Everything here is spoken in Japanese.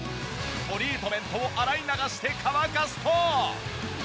トリートメントを洗い流して乾かすと。